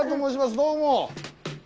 どうも。